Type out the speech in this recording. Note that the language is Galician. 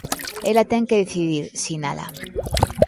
Ela ten que decidir, sinala.